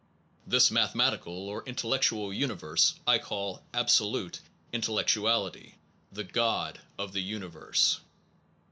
This mathematical or intellectual uni verse I call Absolute Intellectuality, the God of the Universe.